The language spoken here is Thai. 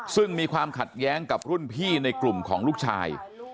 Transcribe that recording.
ซึ่งมีความขัดแย้งกับรุ่นพี่ในกลุ่มของลูกชาย